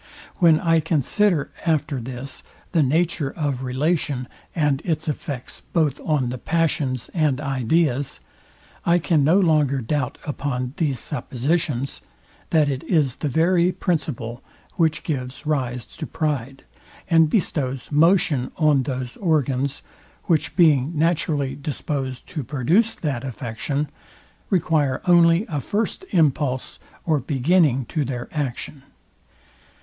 When I consider after this the nature of relation, and its effects both on the passions and ideas, I can no longer doubt, upon these suppositions, that it is the very principle, which gives rise to pride, and bestows motion on those organs, which being naturally disposed to produce that affection, require only a first impulse or beginning to their action.